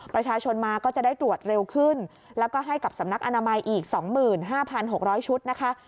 ประชาชนมาก็จะได้ตรวจเร็วขึ้นแล้วก็ให้กับสำนักอนามัยอีก๒๕๖๐๐ชุดนะคะ